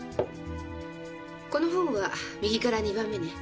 この本は右から２番目ね。